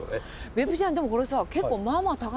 別府ちゃんでもこれさ確かに。